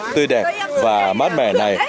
tươi đẹp và mát mẻ này